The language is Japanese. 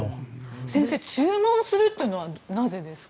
先生、注文するというのはなぜですか。